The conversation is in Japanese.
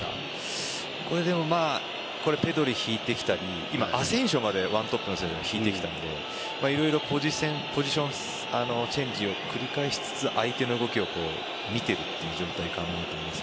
ペドリが引いてきたりアセンシオまで１トップの選手が引いてきたので色々、ポジションチェンジを繰り返しつつ相手の動きを見ているという状態かなと思います。